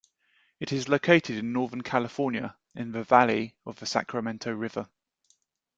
It is located in northern California, in the valley of the Sacramento River.